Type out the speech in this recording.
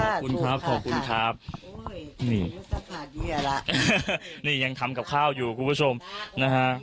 โอ้ยนี่สักหายภาพกลัวแล้วนี่ยังทำกับข้าวอยู่ผู้ชมนะฮะ